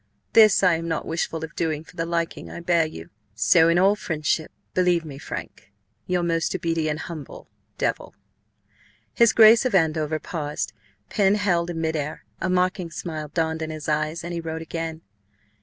This I am not Wishful of doing for the Liking I bear You. "So in all Friendship believe me, Frank, "Your most Obedient, Humble "DEVIL." His Grace of Andover paused, pen held in mid air. A mocking smile dawned in his eyes, and he wrote again.